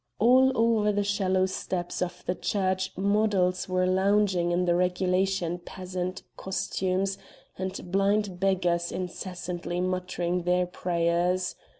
All over the shallow steps of the church models were lounging in the regulation peasant costumes, and blind beggars incessantly muttering their prayers.